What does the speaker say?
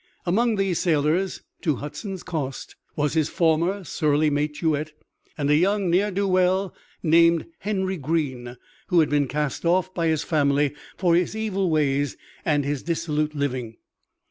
Among these sailors, to Hudson's cost, was his former surly mate, Juet, and a young ne'er do well named Henry Greene, who had been cast off by his family for his evil ways and his dissolute living.